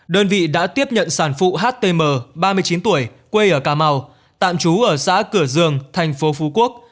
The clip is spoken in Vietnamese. đơn vị đã tiếp nhận sản phụ htm ba mươi chín tuổi quê ở cà mau tạm trú ở xã cửa dương thành phố phú quốc